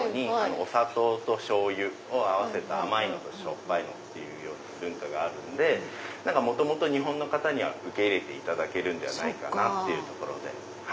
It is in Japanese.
お砂糖としょうゆを合わせた甘いのとしょっぱいのっていう文化があるんで日本の方には受け入れていただけるかなって。